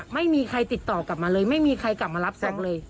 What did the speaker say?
ไม่มีใครติดต่อกลับมาเลยไม่มีใครกลับมารับส่งเลย